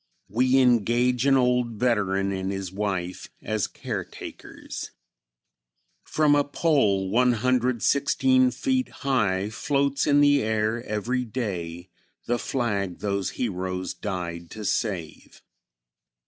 We engage an old veteran and his wife as caretakers. From a pole 116 feet high floats in the air every day the flag those heroes died to save.